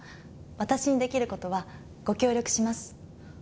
私にできる事はご協力します。